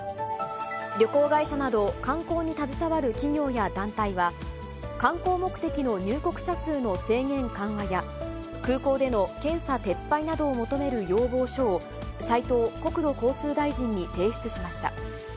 旅行会社など観光に携わる企業や団体は、観光目的の入国者数の制限緩和や、空港での検査撤廃などを求める要望書を、斉藤国土交通大臣に提出しました。